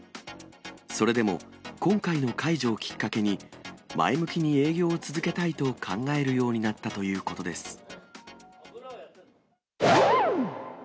それでも今回の解除をきっかけに、前向きに営業を続けたいと考えるようになったということです。